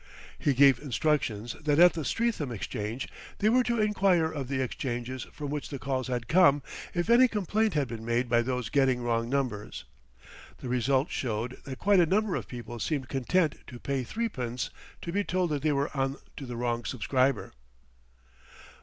He gave instructions that at the Streatham Exchange they were to enquire of the exchanges from which the calls had come if any complaint had been made by those getting wrong numbers. The result showed that quite a number of people seemed content to pay threepence to be told that they were on to the wrong subscriber.